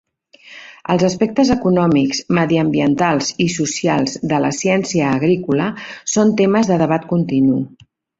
Els aspectes econòmics, mediambientals i socials de la ciència agrícola són temes de debat continu.